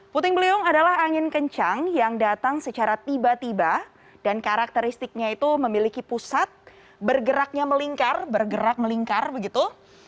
puting beliung adalah angin kencang yang datang secara tiba tiba dan karakteristiknya itu memiliki pusat bergeraknya melingkar bergerak melingkar begitu